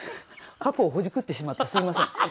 過去をほじくってしまってすみません。